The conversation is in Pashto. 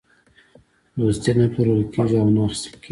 دوستي نه پلورل کېږي او نه اخیستل کېږي.